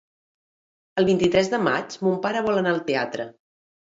El vint-i-tres de maig mon pare vol anar al teatre.